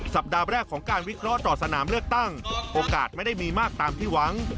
สัปดาห์แรกของการวิเคราะห์ต่อสนามเลือกตั้งโอกาสไม่ได้มีมากตามที่หวัง